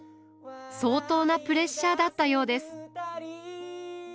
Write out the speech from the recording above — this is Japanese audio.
相当なプレッシャーだったようです。